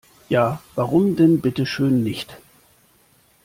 Ja, warum denn bitteschön nicht?